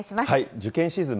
受験シーズン